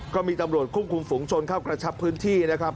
ก็มีตำรวจควบคุมฝุงชนเข้ากระชับพื้นที่นะครับ